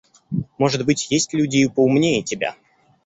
Может быть, есть люди и поумнее тебя.